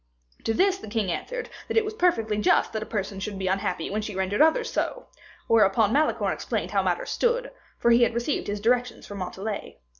To this the king answered that it was perfectly just that a person should be unhappy when she rendered others so. Whereupon Malicorne explained how matters stood; for he had received his directions from Montalais.